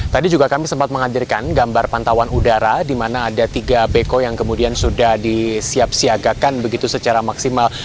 tadi juga kami sempat menghadirkan gambar pantauan udara di mana ada tiga beko yang kemudian sudah disiap siagakan begitu secara maksimal